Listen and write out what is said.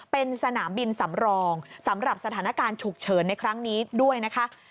เป็นสนามบินสำรองสำหรับสถานการณ์ฉุกเฉินในครั้งนี้ด้วยนะคะ